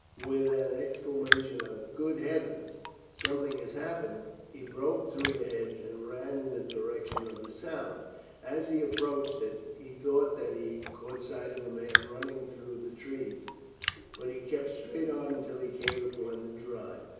With an exclamation of "Good heavens! something has happened!" he broke through the hedge and ran in the direction of the sound. As he approached it he thought that he caught sight of a man running through the trees, but he kept straight on until he came upon the drive.